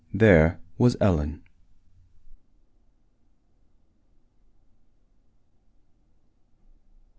There was Ellen!